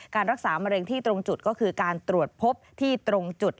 รักษามะเร็งที่ตรงจุดก็คือการตรวจพบที่ตรงจุด